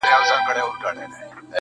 o يــاره مـدعـا يــې خوښه ســـوېده.